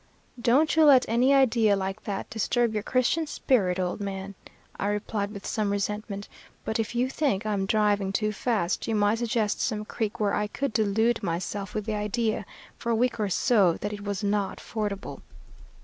"'Don't you let any idea like that disturb your Christian spirit, old man,' I replied with some resentment. 'But if you think I am driving too fast, you might suggest some creek where I could delude myself with the idea, for a week or so, that it was not fordable.'